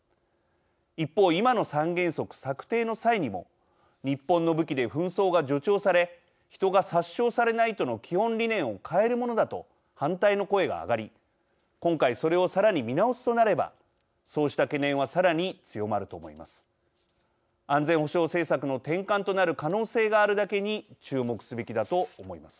一方、今の三原則策定の際にも日本の武器で紛争が助長され人が殺傷されないとの基本理念を変えるものだと反対の声が上がり今回それをさらに見直すとなればそうした懸念はさらに強まると思います。